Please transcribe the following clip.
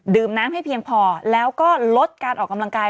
น้ำให้เพียงพอแล้วก็ลดการออกกำลังกาย